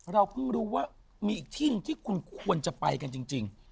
เราเพิ่งรู้ว่ามีอีกที่หนึ่งที่คุณควรจะไปกันจริง